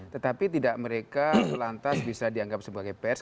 tetapi tidak mereka lantas bisa dianggap sebagai pers